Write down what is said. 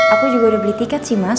aku juga udah beli tiket sih mas